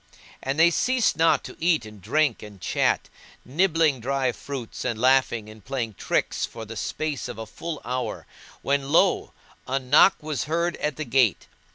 And they ceased not to eat and drink and chat, nibbling dry fruits and laughing and playing tricks for the space of a full hour when lo! a knock was heard at the gate.